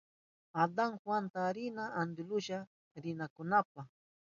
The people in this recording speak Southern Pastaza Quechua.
Adan Juanta kayan antsiluk rinankunapa.